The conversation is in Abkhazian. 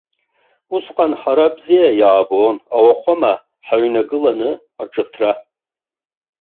Усҟан ҳара бзиа иаабон ауахәама ҳаҩнагыланы аҿыҭра.